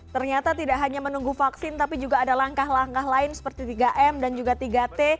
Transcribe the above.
ternyata tidak hanya menunggu vaksin tapi juga ada langkah langkah lain seperti tiga m dan juga tiga t